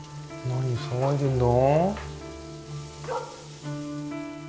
何騒いでんだ。